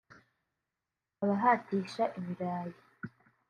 abahatisha ibirayi